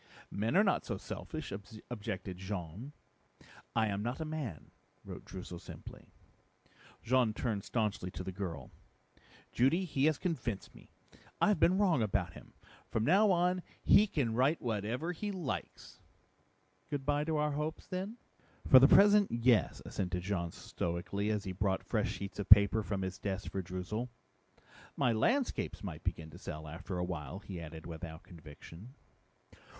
"Men are not so selfish," objected Jean. "I am not a man," wrote Droozle simply. Jean turned staunchly to the girl. "Judy, he has convinced me. I have been wrong about him. From now on he can write whatever he likes!" "Good by to our hopes then?" "For the present, yes," assented Jean stoically, as he brought fresh sheets of paper from his desk for Droozle. "My landscapes might begin to sell after a while," he added without conviction.